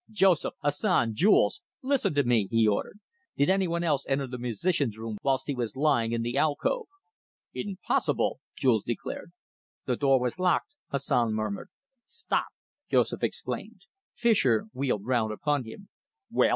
"Joseph, Hassan, Jules listen to me!" he ordered. "Did any one else enter the musicians' room whilst he was lying in the alcove?" "Impossible!" Jules declared. "The door was locked," Hassan murmured. "Stop!" Joseph exclaimed. Fischer wheeled round upon him. "Well?"